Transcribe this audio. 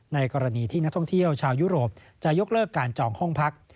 ในกรณีที่นักท่องเที่ยวชาวยุโรปจะยกเลิกการจองห้องพัก